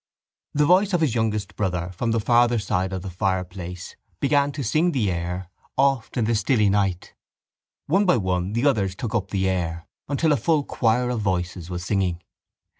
The voice of his youngest brother from the farther side of the fireplace began to sing the air Oft in the Stilly Night. One by one the others took up the air until a full choir of voices was singing.